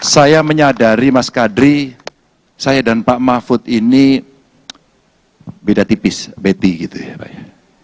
saya menyadari mas kadri saya dan pak mahfud ini beda tipis betty gitu ya pak ya